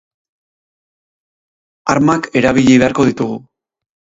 Armak erabili beharko ditugu.